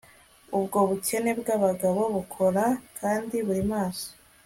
ubwo bukene bwabagabo, bukora kandi buri maso